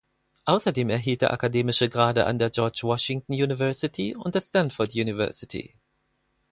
Außerdem erhielt er akademische Grade an der George Washington University und der Stanford University.